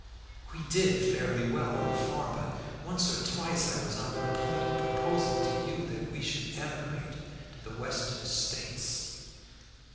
We did fairly well on the farm, but once or twice I was on the point of proposing to you that we should emigrate to the Western States.